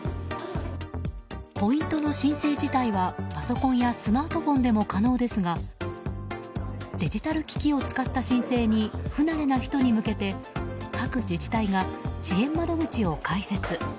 ポイントの申請自体はパソコンやスマートフォンでも可能ですがデジタル機器を使った申請に不慣れな人に向けて各自治体が支援窓口を開設。